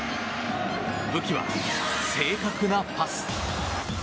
武器は正確なパス。